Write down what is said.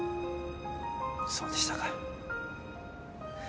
そうでしたか。